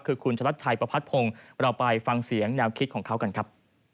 คือคุณชะลัดชัยประพัดพงศ์เราไปฟังเสียงแนวคิดของเขากันครับ